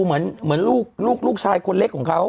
เหมือนลูกชายคนเล็กของเขา